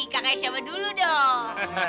kakaknya siapa dulu dong